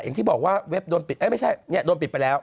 อย่างที่บอกว่าเว็บโดนปิดไม่ใช่เนี่ยโดนปิดไปแล้ว